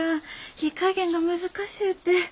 火加減が難しゅうて。